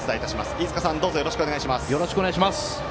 飯塚さん、どうぞよろしくお願いいたします。